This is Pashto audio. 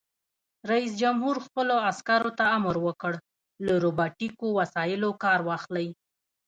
رئیس جمهور خپلو عسکرو ته امر وکړ؛ له روباټیکو وسایلو کار واخلئ!